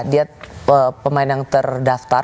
dia pemain yang terdaftar